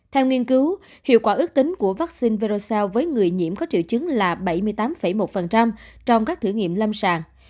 theo nghiên cứu hiệu quả ước tính của vaccine verosa với người nhiễm có triệu chứng là bảy mươi tám một trong các thử nghiệm lâm sàng